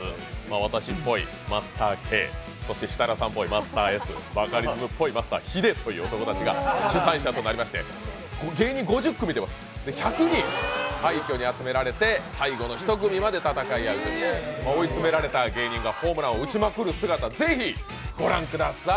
私っぽいマスターＫ、そして設楽さんっぽいマスターＳ、バカリズムっぽいマスターヒデという男たちが主催者となり、芸人５０組出てます、１００人廃虚に集められて最後の１組まで戦い合う追い詰められた芸人がホームランを打ちまくる姿、ぜひご覧ください。